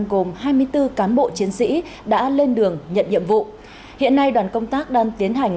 gồm hai mươi bốn cán bộ chiến sĩ đã lên đường nhận nhiệm vụ hiện nay đoàn công tác đang tiến hành